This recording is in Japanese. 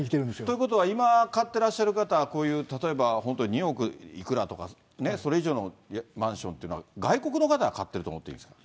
ということは、今、買ってらっしゃる方はこういう例えば、本当に２億いくらとかね、それ以上のマンションっていうのは、外国の方が買っていると思っていいですか。